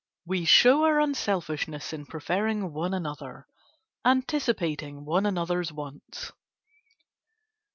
We show our unselfishness in preferring one another, anticipating one another's wants.